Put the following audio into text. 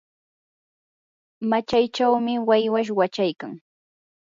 machaychawmi waywash wachaykan.